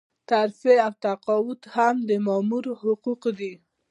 ترفيع او تقاعد هم د مامور حقوق دي.